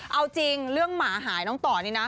เอาจริงเรื่องหมาหายน้องต่อนี่นะ